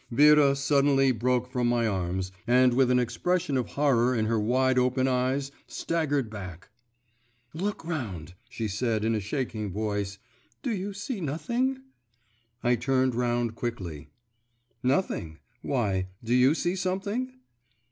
Vera suddenly broke from my arms and with an expression of horror in her wide open eyes staggered back 'Look round,' she said in a shaking voice; 'do you see nothing?' I turned round quickly. 'Nothing. Why, do you see something?